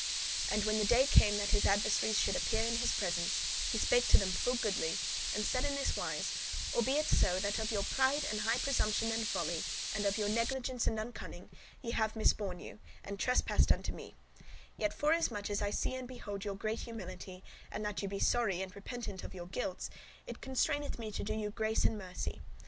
And when the day came that his adversaries should appear in his presence, he spake to them full goodly, and said in this wise; "Albeit so, that of your pride and high presumption and folly, an of your negligence and unconning, [ignorance] ye have misborne [misbehaved] you, and trespassed [done injury] unto me, yet forasmuch as I see and behold your great humility, and that ye be sorry and repentant of your guilts, it constraineth me to do you grace and mercy.